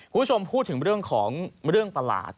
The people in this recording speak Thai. คุณผู้ชมพูดถึงเรื่องของเรื่องประหลาด